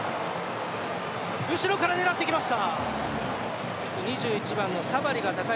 後ろから狙っていきました。